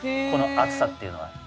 この熱さっていうのは。